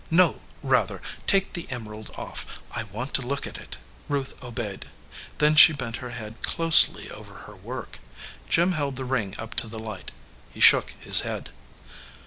No ; rather, take the emerald off. I want to look at it." Ruth obeyed. Then she bent her head closely over her work. Jim held the ring up to the light. He shook his head.